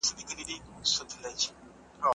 بې له خوښۍ تصمیم مه نیسئ.